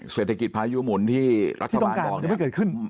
เศรษฐกิจพายุหมุนที่รัฐบาลบอกที่ต้องการมันจะไม่เกิดขึ้น